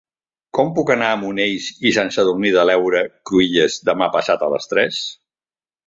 Com puc anar a Monells i Sant Sadurní de l'Heura Cruïlles demà passat a les tres?